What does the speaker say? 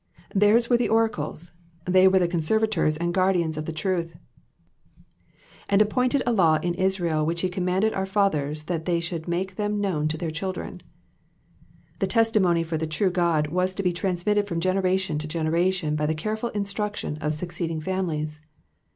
Theirs were the oracles, they were the conservators and guardians of the truth. ^And appointed a hiw in Israel^ which he commanded our fathers, that they$hovld make them known to their children,''^ The testimony for the true God was to be transmitted from generation to generation by the careful instruction of suc ceeding families.